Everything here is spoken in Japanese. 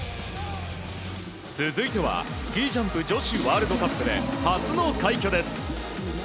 続いては、スキージャンプ女子ワールドカップで初の快挙です。